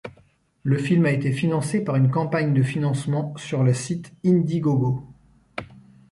Le film a été financé par une campagne de financement sur le site Indiegogo.